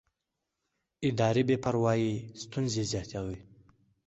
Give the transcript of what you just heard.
اداري بې پروایي ستونزې زیاتوي